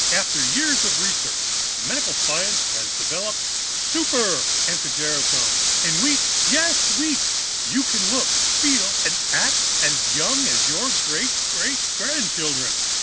"After years of research, medical science has now developed Super anti gerasone! In weeks yes, weeks you can look, feel and act as young as your great great grandchildren!